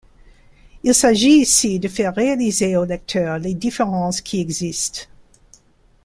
Il s'agit ici de faire réaliser au lecteur les différences qui existent.